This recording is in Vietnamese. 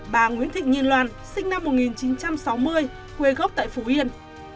bà nguyễn thị nhiên loan sinh năm một nghìn chín trăm sáu mươi quê gốc tại phú yên